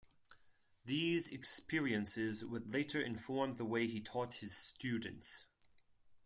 These experiences would later inform the way he taught his students.